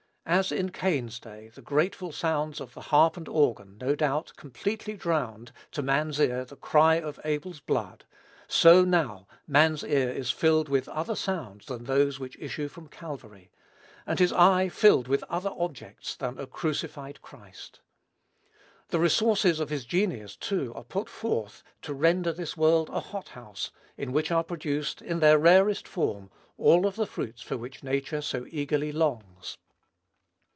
As in Cain's day, the grateful sounds of "the harp and organ," no doubt, completely drowned, to man's ear, the cry of Abel's blood; so now, man's ear is filled with other sounds than those which issue from Calvary, and his eye filled with other objects than a crucified Christ. The resources of his genius, too, are put forth to render this world a hot house, in which are produced, in their rarest form, all the fruits for which nature so eagerly longs.